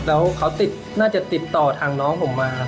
แล้วเขาติดต่อทางน้องผมมา